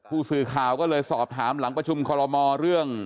ผู้สื่อข่าวก็เลยสอบถามหลังประชุมคอลโมเรื่อง